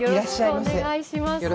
よろしくお願いします。